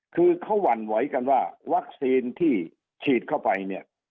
คือเขาหวั่นไหวกันว่าวัคซีนที่ฉีดเข้าไปเนี่ย